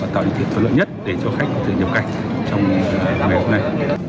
và tạo điều kiện tốt lợi nhất để cho khách có thể nhập cảnh trong ngày hôm nay